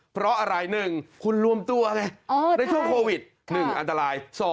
เพราะอะไร๑คุณรวมตัวไงในช่วงโควิด๑อันตราย